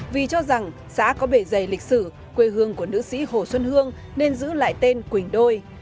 vì cho rằng xã có bể dày lịch sử quê hương của nữ sĩ hồ xuân hương nên giữ lại tên quỳnh đôi